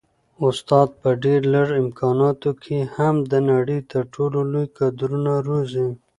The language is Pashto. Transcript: استاد په ډېر لږ امکاناتو کي هم د نړۍ تر ټولو لوی کدرونه روزي.